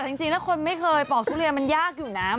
แต่จริงแล้วคนไม่เคยปอกทุเรียนมันยากอยู่นะ